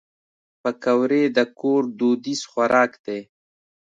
پکورې د کور دودیز خوراک دی